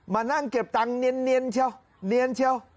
มานั่งเก็บบังเนียนเชียว